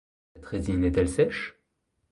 Cette résine est-elle sèche?